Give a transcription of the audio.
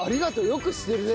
よく知ってるね。